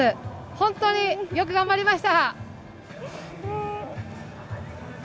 本当によく頑張りました。